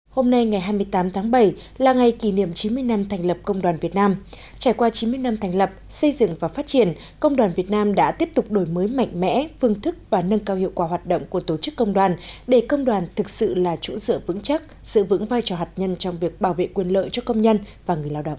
hôm nay ngày hai mươi tám tháng bảy là ngày kỷ niệm chín mươi năm thành lập công đoàn việt nam trải qua chín mươi năm thành lập xây dựng và phát triển công đoàn việt nam đã tiếp tục đổi mới mạnh mẽ phương thức và nâng cao hiệu quả hoạt động của tổ chức công đoàn để công đoàn thực sự là chủ sở vững chắc giữ vững vai trò hạt nhân trong việc bảo vệ quyền lợi cho công nhân và người lao động